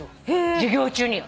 授業中によ。